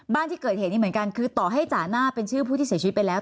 บ้านที่เกิดเหตุนี้เหมือนกันคือต่อให้จ่าหน้าเป็นชื่อผู้ที่เสียชีวิตไปแล้ว